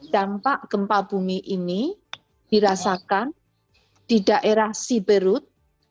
dampak gempa bumi ini dirasakan di daerah siberut